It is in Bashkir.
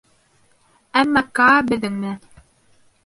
— Әммә Каа беҙҙең менән.